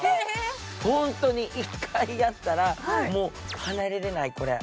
本当に、１回やったらもう離れられない。